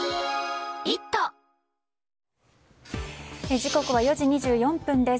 時刻は４時２４分です。